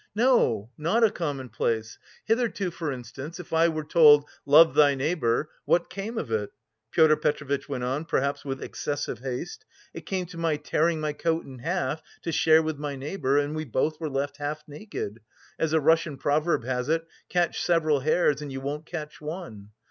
"No, not a commonplace! Hitherto, for instance, if I were told, 'love thy neighbour,' what came of it?" Pyotr Petrovitch went on, perhaps with excessive haste. "It came to my tearing my coat in half to share with my neighbour and we both were left half naked. As a Russian proverb has it, 'Catch several hares and you won't catch one.